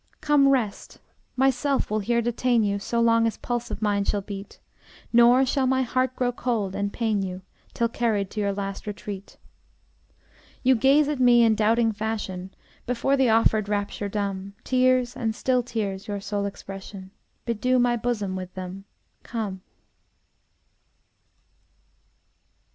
Come, rest: myself will here detain you, So long as pulse of mine shall beat; Nor shall my heart grow cold and pain you, Till carried to your last retreat. You gaze at me in doubting fashion, Before the offered rapture dumb; Tears and still tears your sole expression: Bedew my bosom with them come!